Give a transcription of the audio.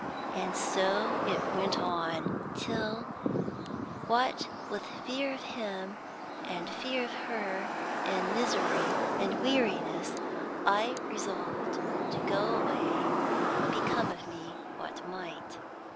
And so it went on, till, what with fear of him, and fear of her, and misery and weariness, I resolved to go away, become of me what might.